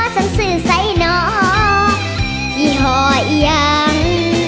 สั่งสื่อใส่หน่อยี่ห่อยยัง